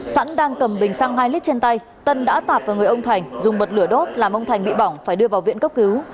sẵn đang cầm bình xăng hai lít trên tay tân đã tạt vào người ông thành dùng bật lửa đốt làm ông thành bị bỏng phải đưa vào viện cấp cứu